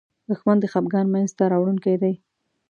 دښمن د خپګان مینځ ته راوړونکی دی